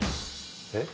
えっ？